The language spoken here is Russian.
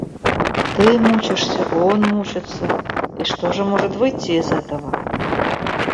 Ты мучишься, он мучится, и что же может выйти из этого?